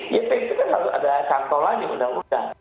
ya pp kan ada contoh lagi undang undang